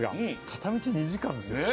片道２時間ですよ